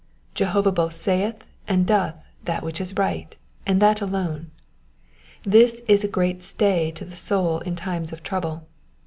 Jehovah both saith and doth that which is right, and that alone. This is a great stay to the soul in time of trouble.